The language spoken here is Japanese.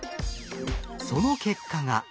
その結果が。